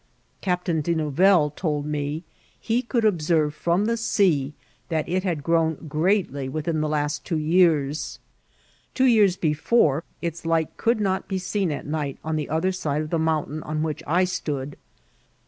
Captain De Nouvelle told me he could observe from the sea that it had grown greatly within the last two years. Two years before its light could not be seen at night on the other side of the mountain on which I stood.